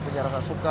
punya rasa suka